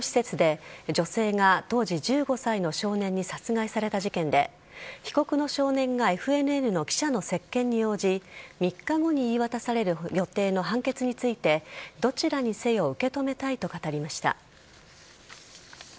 おととし福岡市の商業施設で女性が当時１５歳の少年に殺害された事件で被告の少年がＦＮＮの記者の接見に応じ３日後に言い渡される予定の判決についてどちらにせよ受け止めたいと語りました。